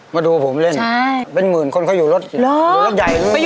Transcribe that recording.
มาดูผมเล่นเป็นหมื่นคนเขาอยู่รถใย